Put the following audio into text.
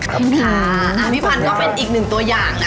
ค่ะพี่พันธุ์ก็เป็นอีกหนึ่งตัวอย่างนะ